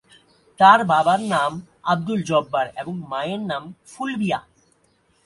তার বাবার নাম আবদুল জব্বার এবং মায়ের নাম ফুলবিয়া।